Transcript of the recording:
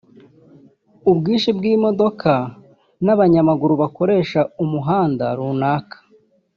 ubwinshi bw’imodoka n’abanyamaguru bakoresha umuhanda runaka